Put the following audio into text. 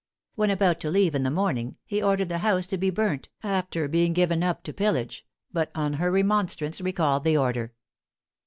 When about to leave in the morning, he ordered the house to be burnt, after being given up to pillage, but on her remonstrance, recalled the order.